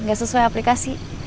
gak sesuai aplikasi